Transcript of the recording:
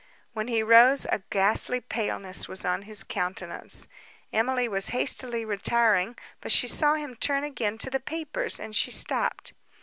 When he rose, a ghastly paleness was on his countenance. Emily was hastily retiring; but she saw him turn again to the papers, and she stopped.